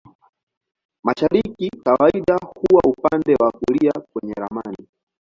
Mashariki kawaida huwa upande wa kulia kwenye ramani.